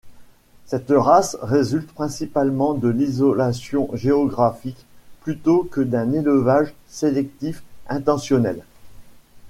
Cette race résulte principalement de l'isolation géographique, plutôt que d'un élevage sélectif intentionnel.